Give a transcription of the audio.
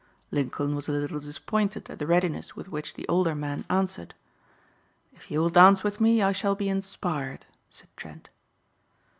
Lincoln was a little disappointed at the readiness with which the older man answered. "If you will dance with me I shall be inspired," said Trent.